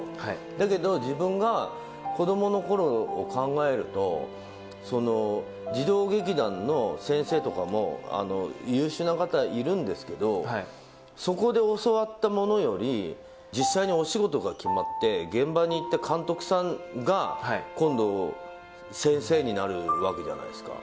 だけど、自分が子どものころを考えると、児童劇団の先生とかも優秀な方いるんですけど、そこで教わったものより、実際にお仕事が決まって、現場に行って監督さんが、今度、先生になるわけじゃないですか。